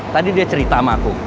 tadi dia cerita sama aku